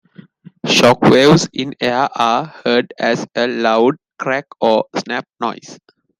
Shock waves in air are heard as a loud "crack" or "snap" noise.